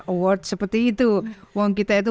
award seperti itu uang kita itu